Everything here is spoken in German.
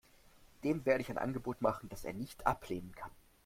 Dem werde ich ein Angebot machen, das er nicht ablehnen kann.